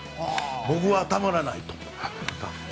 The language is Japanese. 僕はたまらないと。